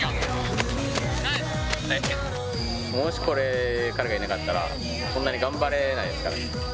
もしこれ、彼がいなかったら、こんなに頑張れないですからね。